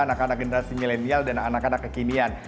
anak anak generasi milenial dan anak anak kekinian